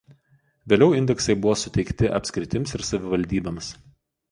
Vėliau indeksai buvo suteikti apskritims ir savivaldybėms.